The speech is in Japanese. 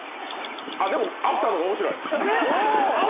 あ、でも、アフターの方が面白い。